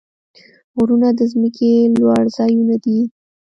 غرونه د ځمکې لوړ ځایونه دي.